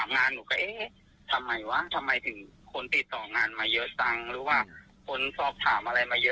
นี่เนี้ย